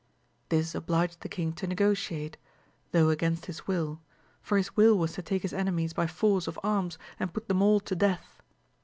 This obliged the king to negociate, though against his will, for his will was to take his enemies by force of arms and put them all to death.